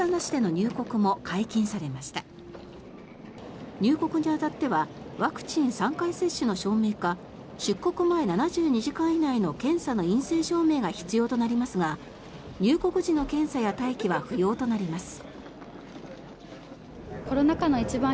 入国に当たってはワクチン３回接種の証明か出国前７２時間以内の検査の陰性証明が必要となりますが入国時の検査や待機は不要となります。